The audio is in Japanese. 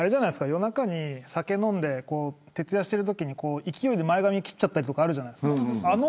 夜中に酒飲んで徹夜してるときに勢いで前髪切ったりとかあるじゃないですか。